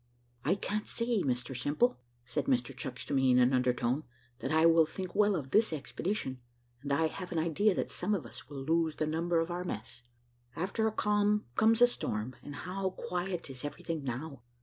"I can't say, Mr Simple," said Mr Chucks to me in an undertone "that I think well of this expedition; and I have an idea that some of us will lose the number of our mess. After a calm comes a storm; and how quiet is everything now!